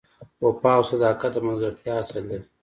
وفا او صداقت د ملګرتیا اصل دی.